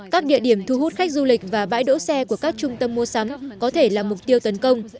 các địa điểm thu hút khách du lịch và bãi đỗ xe của các trung tâm mua sắm có thể là mục tiêu tấn công